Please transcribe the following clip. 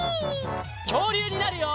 きょうりゅうになるよ！